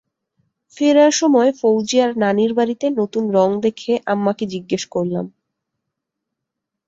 ফেরার সময় ফওজিয়ার নানির বাড়িতে নতুন রং দেখে আম্মাকে জিজ্ঞেস করলাম।